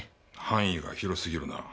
範囲が広すぎるな。